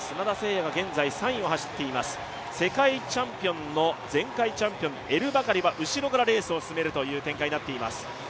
弥が現在３位を走っています、世界チャンピオンの前回チャンピオンエルバカリは後ろからレースを進めるという展開になっています。